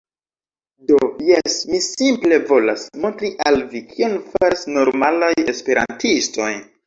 Do, jes mi simple volas montri al vi kion faras normalaj esperantistoj